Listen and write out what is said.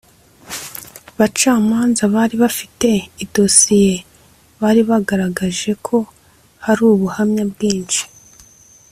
" bacamanza bari bafite idosiye bari bagaragaje ko hari ubuhamya bwinshi